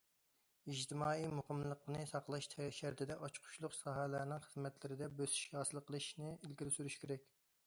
ئىجتىمائىي مۇقىملىقنى ساقلاش شەرتىدە، ئاچقۇچلۇق ساھەلەرنىڭ خىزمەتلىرىدە بۆسۈش ھاسىل قىلىشنى ئىلگىرى سۈرۈش كېرەك.